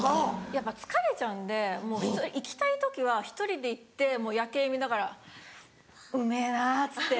やっぱ疲れちゃうんで行きたい時は１人で行って夜景見ながらうめぇなっつって。